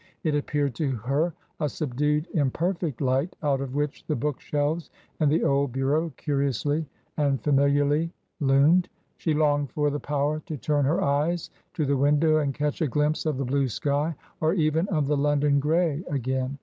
It appeared to her a subdued imperfect light out of which the bookshelves and the old bureau curiously and familiarly loomed. She longed for the power to turn her eyes to the window and catch a glimpse of the blue sky or even of the London grey again.